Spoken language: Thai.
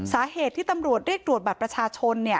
สาเหตุที่ตำรวจเรียกตรวจบัตรประชาชน